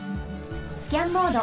スキャンモード。